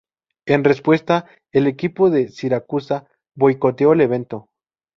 En respuesta, el equipo de Siracusa boicoteó el evento.